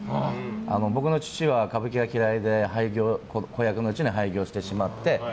僕の父は歌舞伎が嫌いで子役のうちに廃業してしまって。